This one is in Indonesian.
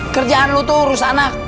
kerjaan lu tuh urus anak